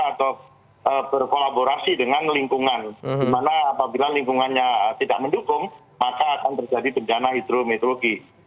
atau berkolaborasi dengan lingkungan di mana apabila lingkungannya tidak mendukung maka akan terjadi bencana hidrometeorologi